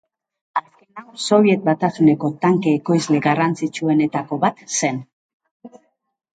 Azken hau Sobiet Batasuneko tanke ekoizle garrantzitsuenetako bat zen.